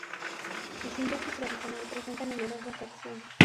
Su síntesis tradicional presenta numerosas reacciones.